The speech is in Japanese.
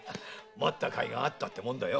待ったかいがあったってもんだ。